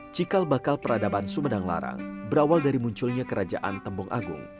cikal bakal peradaban sumedang larang berawal dari munculnya kerajaan tembong agung